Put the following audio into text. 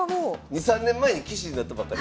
２３年前に棋士になったばっかり？